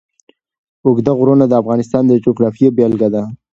اوږده غرونه د افغانستان د جغرافیې بېلګه ده.